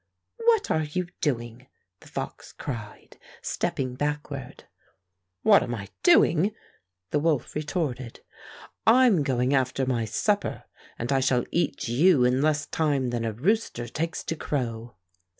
"What are you doing?" the fox cried, stepping backward. "What am I doing!" the woK retorted. "I'm going after my supper, and I shall eat you in less time than a rooster takes to crow."